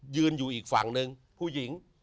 ยืนอยู่อีกฝั่งหนึ่งผู้หญิง